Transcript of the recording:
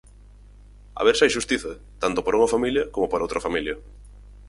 A ver se hai xustiza, tanto para unha familia como para outra familia.